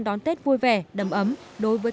đón tết vui vẻ đầm ấm đối với